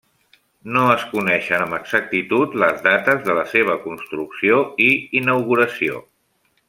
No es coneixen amb exactitud les dates de la seva construcció i inauguració.